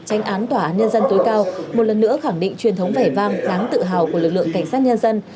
tranh án tòa án nhân dân tối cao một lần nữa khẳng định truyền thống vẻ vang đáng tự hào của lực lượng cảnh sát nhân dân